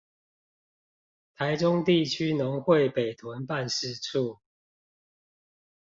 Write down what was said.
臺中地區農會北屯辦事處